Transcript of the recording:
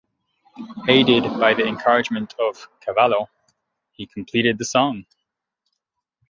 Aided by the encouragement of Cavallo, he completed the song.